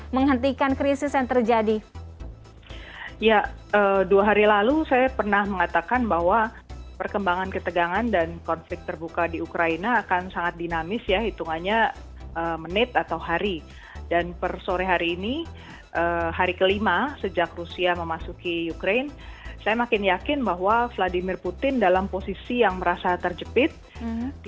menghentikan krisis yang terjadi